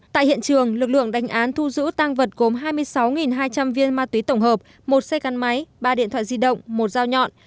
tại hiện trường lực lượng đánh án thu giữ tăng vật gồm hai mươi sáu hai trăm linh viên ma túy tổng hợp một xe gắn máy ba điện thoại di động một dao nhọn